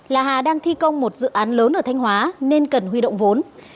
là hà đang thi công một dự án lớn ở thanh hóa nên cần huy động vốn